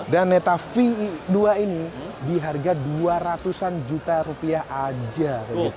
dan neta v dua ini di harga dua ratus an juta rupiah aja